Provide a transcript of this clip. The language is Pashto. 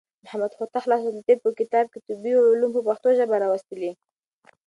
محمد هوتک د خلاصة الطب په کتاب کې طبي علوم په پښتو ژبه راوستلي.